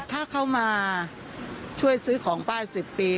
ถ้าเขามาช่วยซื้อของป้าย๑๐ปี